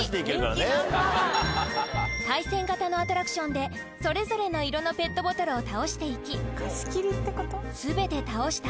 対戦型のアトラクションでそれぞれの色のペットボトルを倒していき全て倒した